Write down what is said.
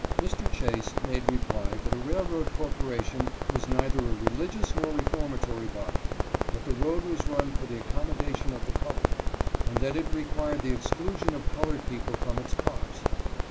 Mr. Chase made reply that a railroad corporation was neither a religious nor re formatory body ; that the road was run for the accommo dation of the public, and that it required the exclusion of colored people from its cars.